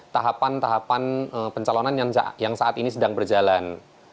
tahapan tahapan pencalonan yang saat ini sedang berjalan